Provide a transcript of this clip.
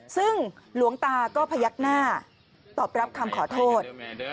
ซึ่งหลวงตาก็พยักหน้าตอบรับคำขอโทษ